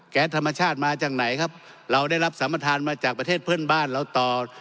ธรรมชาติมาจากไหนครับเราได้รับสัมประธานมาจากประเทศเพื่อนบ้านเราต่อ